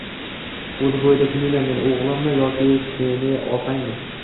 O`zi bu uyda kim uylangan, o`g`limmi yoki seni opangmi